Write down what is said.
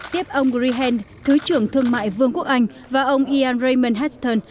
tiếp ông greenhand thứ trưởng thương mại vương quốc anh và ông ian raymond hatton